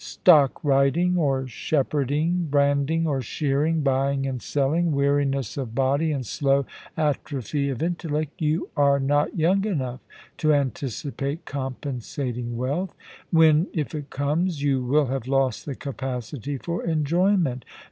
Stock riding or shepherding, branding or shearing, buying and selling, weariness of body and slow atrophy of intellect You are not young enough to anticipate compensating wealth ; when, if it comes, you will have lost the capacity for enjoyment.